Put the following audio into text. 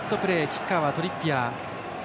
キッカーはトリッピアー。